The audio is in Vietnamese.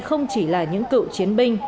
không chỉ là những cựu chiến binh